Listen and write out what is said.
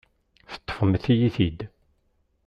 Teṭṭfemt-iyi-t-id.